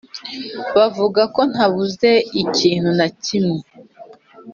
bavuga ko ntabuze ikintu na kimwe